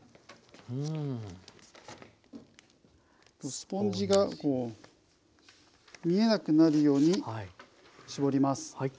スポンジがこう見えなくなるように絞ります。